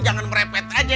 jangan merepet aja